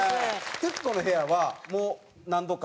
『徹子の部屋』はもう何度か？